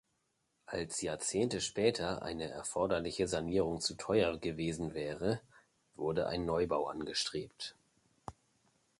Als Jahrzehnte später eine erforderliche Sanierung zu teuer gewesen wäre, wurde ein Neubau angestrebt.